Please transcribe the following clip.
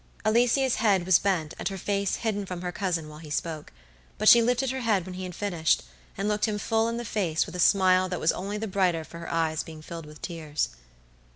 Alicia's head was bent and her face hidden from her cousin while he spoke, but she lifted her head when he had finished, and looked him full in the face with a smile that was only the brighter for her eyes being filled with tears.